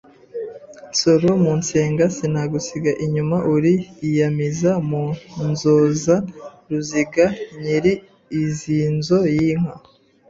Nsoro mu nsenga Sinagusiga inyuma! Uri iyamiza mu nzoza Ruziga nyiri iizinzo y’inka